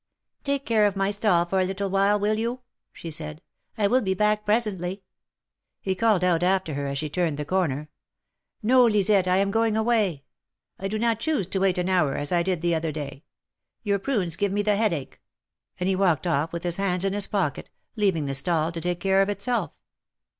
'' Take care of my stall for a little while, will you ?'' she said. I will be back presently." He called out after her as she turned the corner : ''No, Lisette, I am going away. I do not choose to wait an hour, as I did the other day. Your prunes give me the headache," and he walked off with his hands in his pocket, leaving the stall to take care of itself.